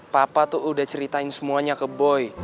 papa tuh udah ceritain semuanya ke boy